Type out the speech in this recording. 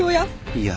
いや。